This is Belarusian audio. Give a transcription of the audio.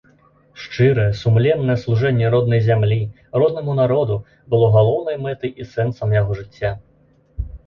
Шчырае, сумленнае служэнне роднай зямлі, роднаму народу было галоўнай мэтай і сэнсам яго жыцця.